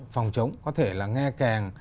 phòng chống có thể là nghe kèng